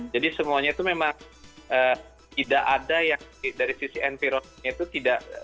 jadi semuanya itu memang tidak ada yang dari sisi entironya itu tidak